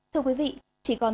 thưa quý vị chỉ còn